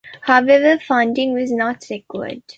However, funding was not secured.